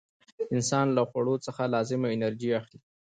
انسان له خوړو څخه لازمه انرژي اخلي.